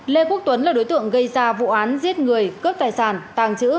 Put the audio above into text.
lê quốc tuấn là đối tượng gây ra vụ án giết người cướp tài sản tàng trữ